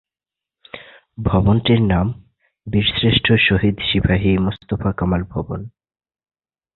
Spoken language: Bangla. ভবনটির নাম বীরশ্রেষ্ঠ শহীদ সিপাহী মোস্তফা কামাল ভবন।